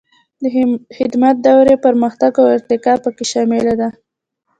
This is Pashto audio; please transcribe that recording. د خدمت دورې پرمختګ او ارتقا پکې شامله ده.